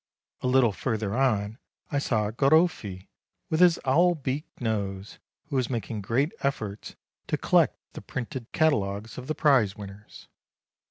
A little further on I saw Garoffi, with his owl's beak nose, who was making great efforts to collect the printed catalogues of the prize winners.